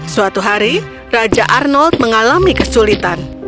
suatu hari raja arnold mengalami kesulitan